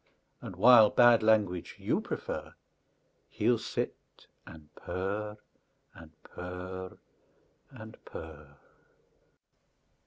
And, while bad language you prefer, He'll sit and purr, and purr, and purr!